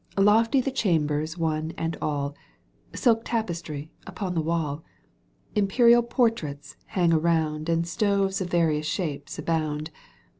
Lofty the chambers one and all, Silk tapestry upon the wall. Imperial portraits hang around And stoves of various shapes abound.